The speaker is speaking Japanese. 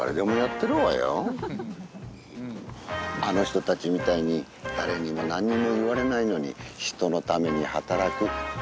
あの人たちみたいに誰にも何にも言われないのに人のために働く。